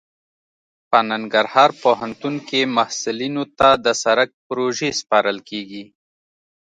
په ننګرهار پوهنتون کې محصلینو ته د سرک پروژې سپارل کیږي